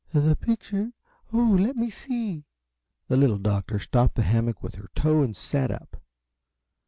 "The picture? Oh, let me see!" The Little Doctor stopped the hammock with her toe and sat up.